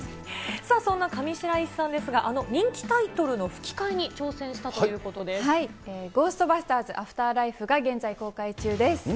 さあ、そんな上白石さんですが、あの人気タイトルの吹き替えに挑戦したゴーストバスターズ／アフターライフが現在公開中です。